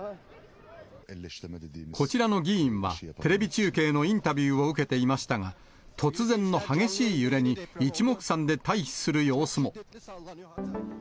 こちらの議員は、テレビ中継のインタビューを受けていましたが、突然の激しい揺れに、いちもくさんで退避する様子も。